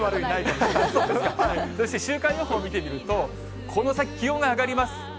週間予報見てみると、この先、気温が上がります。